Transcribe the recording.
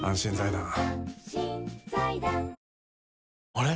あれ？